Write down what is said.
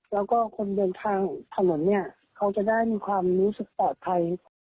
แล้วก็คนเดินทางถนนเนี่ยเขาจะได้มีความรู้สึกปลอดภัย